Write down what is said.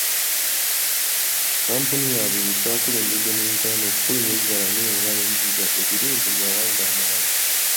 kkampuni yaabwe ye kyakulembedde mu Uganda okufulumya ebibala n'enva endiirwa ebirungi mu mawanga amalala.